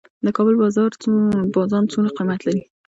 د کابل بازان څومره قیمت لري؟